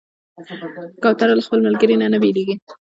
کوتره له خپل ملګري نه نه بېلېږي.